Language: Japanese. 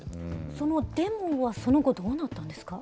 そのデモはその後、どうなったんですか。